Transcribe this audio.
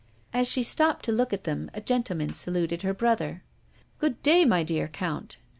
As she stopped to look at them, a gentleman saluted her brother. "Good day, my dear Count."